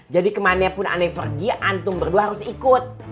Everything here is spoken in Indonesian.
jadi kemana pun ana pergi antum berdua harus ikut